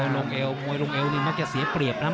ลงเอวมวยลงเอวนี่มักจะเสียเปรียบนะ